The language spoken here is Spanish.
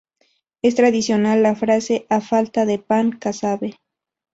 Es tradicional la frase "¡A falta de pan, casabe!".